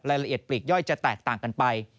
ละเอียดปลีกย่อยจะแตกต่างกันไป